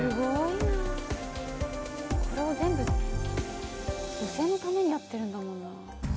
これを全部女性のためにやってるんだもんな。